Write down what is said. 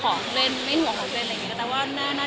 เพราะเป็นเด็กแบบเรียงง่ายเป็นเด็กไม่ใช่ห่วงของเกิดเร่ง